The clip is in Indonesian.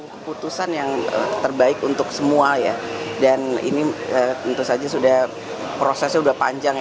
keputusan yang terbaik untuk semua ya dan ini tentu saja sudah prosesnya sudah panjang